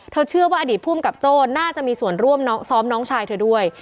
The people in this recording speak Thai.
เชื่อว่าอดีตภูมิกับโจ้น่าจะมีส่วนร่วมซ้อมน้องชายเธอด้วย